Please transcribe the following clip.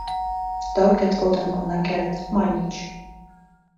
«Тӧкет колтен она керт, — маньыч.